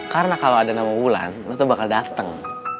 karena kalo ada nama wulan lu tuh bakal dateng